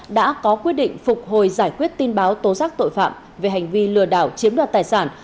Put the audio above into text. đã có quyết định phục hồi giải quyết tin báo tố giác tội phạm về hành vi lừa đảo chiếm đoạt tài sản